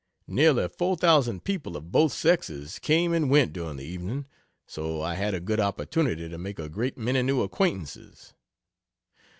Nearly 4,000 people, of both sexes, came and went during the evening, so I had a good opportunity to make a great many new acquaintances.